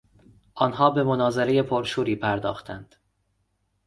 آنها به مناظرهی پر شوری پرداختند.